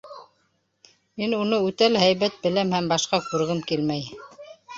Мин уны үтә лә һәйбәт беләм һәм башҡа күргем килмәй.